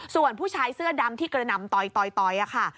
ส่วนผู้ชายเสื้อดำที่กระหน่ำต่อยค่ะ